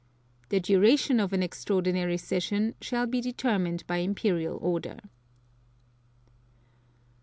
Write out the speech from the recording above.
(2) The duration of an extraordinary session shall be determined by Imperial Order.